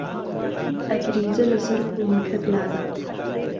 ئهگریجه له سهر کوڵمهکهت لاده